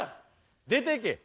出てけ。